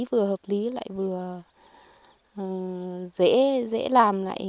vừa hợp lý lại vừa dễ làm lại